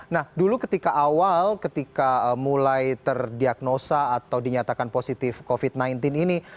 nah dulu ketika awal ketika mulai terdiagnosa atau dinyatakan positif covid sembilan belas ini